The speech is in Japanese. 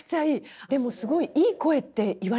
でもすごいいい声って言われませんか？